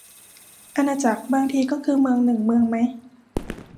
อาณาจักร บางทีก็คือเมืองหนึ่งเมืองไหม